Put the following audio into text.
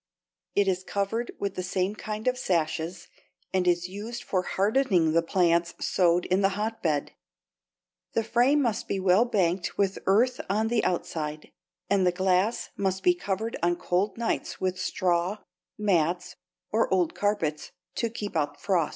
It is covered with the same kind of sashes and is used for hardening the plants sowed in the hotbed. The frame must be well banked with earth on the outside, and the glass must be covered on cold nights with straw, mats, or old carpets to keep out frost.